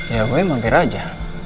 ya gue mampir aja